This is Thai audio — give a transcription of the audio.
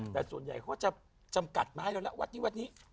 แต่ส่วนใหญ่เขาจะจำกัดมาแล้วแล้ววัดนี้